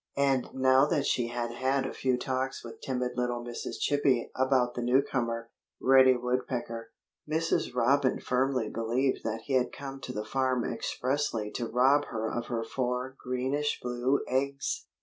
And now that she had had a few talks with timid little Mrs. Chippy about the newcomer, Reddy Woodpecker, Mrs. Robin firmly believed that he had come to the farm expressly to rob her of her four greenish blue eggs.